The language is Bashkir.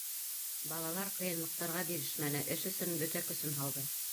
Балалар ҡыйынлыҡтарға бирешмәне, эш өсөн бөтә көсөн һалды.